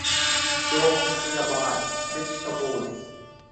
โรงพยาบาลเพชรบูรณ์